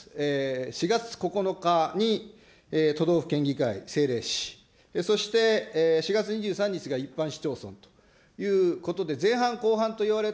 ４月９日に都道府県議会政令市、そして４月２３日が一般市町村ということで、前半、後半といわれて、